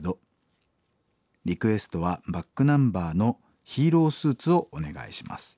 リクエストはｂａｃｋｎｕｍｂｅｒの『ヒーロースーツ』をお願いします。